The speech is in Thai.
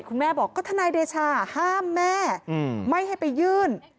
คุณแม่บอกก็ทนายเดชาห้ามแม่ไม่ให้ไปยื่น